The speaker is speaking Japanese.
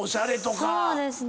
そうですね。